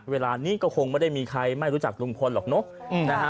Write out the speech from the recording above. เวลานี้ก็คงไม่ได้มีใครไม่รู้จักลุงพลหรอกเนอะนะฮะ